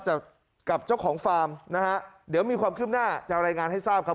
กับเจ้าของฟาร์มนะฮะเดี๋ยวมีความคืบหน้าจะรายงานให้ทราบครับ